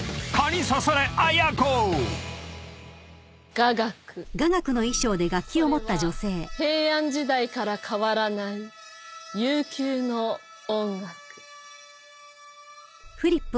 「雅楽それは平安時代から変わらない悠久の音楽」